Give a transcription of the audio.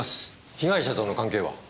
被害者との関係は？